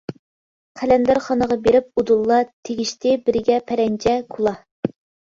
قەلەندەرخانىغا بېرىپ ئۇدۇللا، تېگىشتى بىرىگە پەرەنجە، كۇلاھ.